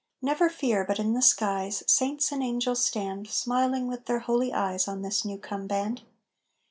Never fear but in the skies Saints and angels stand Smiling with their holy eyes On this new come band.